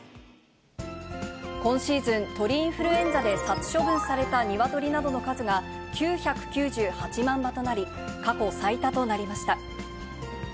今シーズン、鳥インフルエンザで殺処分されたニワトリなどの数が９９８万羽となり、過去最多となりました。